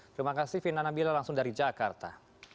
terima kasih fina nabila langsung dari jakarta